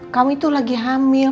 kamu itu lagi hamil